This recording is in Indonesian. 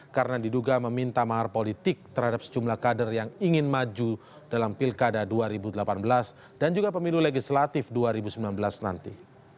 karena diduga meminta mahar politik terhadap sejumlah kader yang ingin maju dalam pilkada dua ribu delapan belas dan juga pemilu legislatif dua ribu sembilan belas nanti